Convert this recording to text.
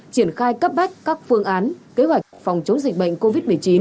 triển khai cấp bách các phương án kế hoạch phòng chống dịch bệnh covid một mươi chín